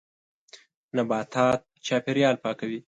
نباتات چاپېریال پاکوي.